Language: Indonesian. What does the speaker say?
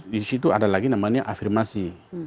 disitu ada lagi namanya afirmasi